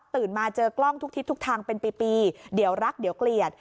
มาเจอกล้องทุกทิศทุกทางเป็นปีเดี๋ยวรักเดี๋ยวเกลียด